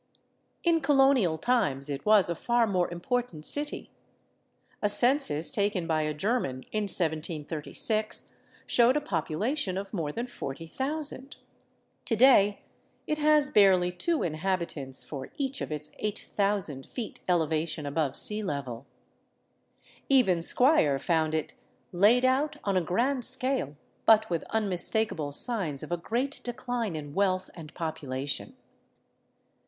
In colonial times it was a far more important city. A census taken 381 VAGABONDING DOWN THE ANDES by a German in 1736 showed a population of more than 40,000. To day it has barely two inhabitants for each of its 8000 feet elevation above sea level. Even Squier found it '' laid out on a grand scale, but with unmistakable signs of a great decline in wealth and population."